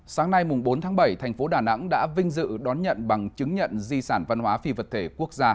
sáng nay bốn tháng bảy thành phố đà nẵng đã vinh dự đón nhận bằng chứng nhận di sản văn hóa phi vật thể quốc gia